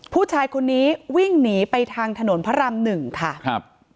ผู้ชายคนนี้วิ่งหนีไปทางถนนพระรำ๑ค่ะ